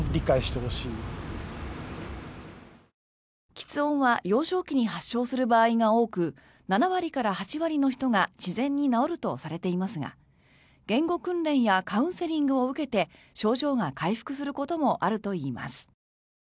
きつ音は幼少期に発症する場合が多く７割から８割の人が自然に治るとされていますが言語訓練やカウンセリングを受けて症状が回復することもあるといいます。